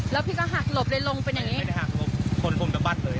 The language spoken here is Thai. แล้วพี่ก็หักหลบเลยลงเป็นอย่างงี้ไม่ได้หักหลบคนผมสะบัดเลย